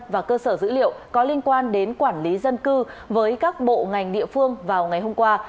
và cơ sở dữ liệu có liên quan đến quản lý dân cư với các bộ ngành địa phương vào ngày hôm qua